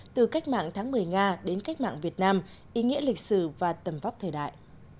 từ cách mạng tháng một mươi nga đến cách mạng việt nam ý nghĩa lịch sử và tầm vóc thời đại